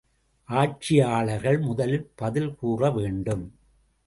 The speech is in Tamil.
ஆட்சியாளர்கள் முதலில் பதில் கூறவேண்டும்.